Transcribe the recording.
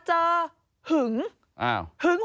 พอเจอหึง